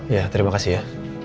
ya terima kasih ya